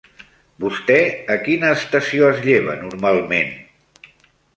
Vostè a quina estació es lleva normalment?